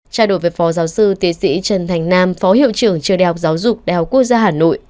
trao đổi với phó giáo sư tiến sĩ trần thành nam phó hiệu trưởng trường đại học giáo dục đại học quốc gia hà nội